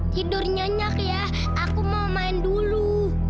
tidur nyenyak ya aku mau main dulu